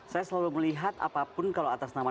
saya selalu melihat apapun kalau atas nama